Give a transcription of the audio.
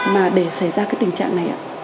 mà để xảy ra cái tình trạng này ạ